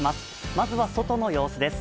まずは外の様子です。